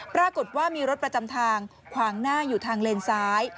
ปรากฏว่ามีรถประจำทางขวางหน้าอยู่ทางเลนซ้าย